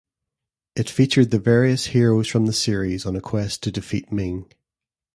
It featured the various heroes from the series on a quest to defeat Ming.